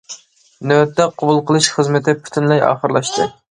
نۆۋەتتە، قوبۇل قىلىش خىزمىتى پۈتۈنلەي ئاخىرلاشتى.